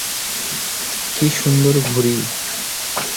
কী সুন্দর ঘুড়ি!